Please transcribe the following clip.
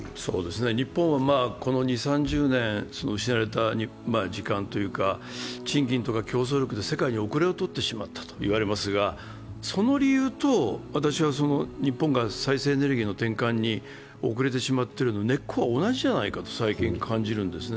日本はこの２０３０年、失われた時間というか賃金とか競争力で世界に後れをとってしまったと言われますがその理由と、日本が再生エネルギーの転換に遅れてしまっているの根っこは同じじゃないかと最近感じるんですね。